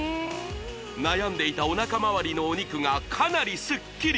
悩んでいたおなかまわりのお肉がかなりスッキリ！